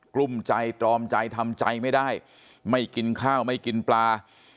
ลุ้มใจตรอมใจทำใจไม่ได้ไม่กินข้าวไม่กินปลา